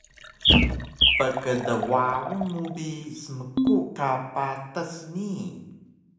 pkdwaun mu bi smku ka patas nii